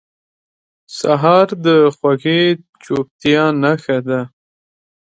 سهار د خوږې چوپتیا نښه ده.